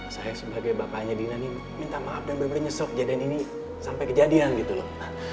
saya sebagai bapaknya dina ini minta maaf benar benar nyesok kejadian ini sampai kejadian gitu loh